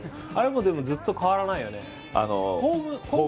あれもずっと変わらないよね。